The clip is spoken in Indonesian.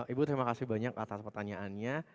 ibu terima kasih banyak atas pertanyaannya